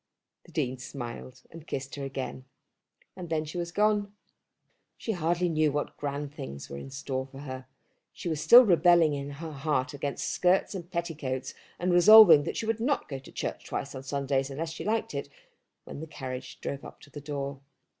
The Dean smiled, and kissed her again, and then she was gone. She hardly knew what grand things were in store for her. She was still rebelling in her heart against skirts and petticoats, and resolving that she would not go to church twice on Sundays unless she liked it, when the carriage drove up to the door.